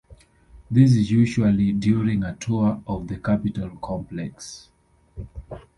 This is usually during a tour of the Capitol Complex.